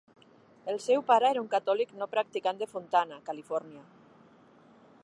El seu pare era un catòlic no practicant de Fontana, Califòrnia.